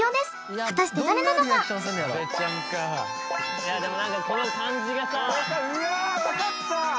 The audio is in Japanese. いやーでも何かこの感じがさうわー分かった！